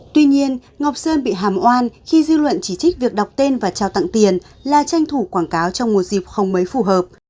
tuy nhiên ngọc sơn bị hàm oan khi dư luận chỉ trích việc đọc tên và trao tặng tiền là tranh thủ quảng cáo trong một dịp không mấy phù hợp